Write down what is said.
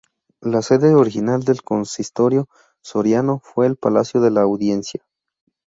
La sede original del Consistorio soriano fue el Palacio de la Audiencia.